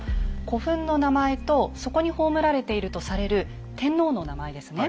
古墳の名前とそこに葬られているとされる天皇の名前ですね。